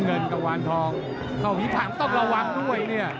เงินกะวานทองเข้าผีผางต้องระวังด้วยเนี่ย